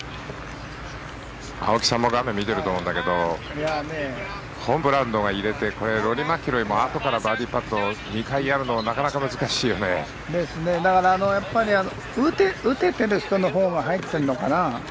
青木さんも画面を見てると思うんだけどホブランが入れてローリー・マキロイもあとからバーディーパットを２回やるのはだから、やっぱり打ててる人のほうが入ってるのかな。